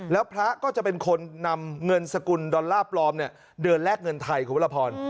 แล้วพระก็จะเป็นคนนำเงินสกุลดอลลาร์ปลอมเดินแลกเงินไทยคุณพระพร